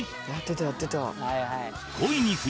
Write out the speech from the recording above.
「やってたやってた」